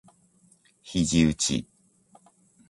肘うち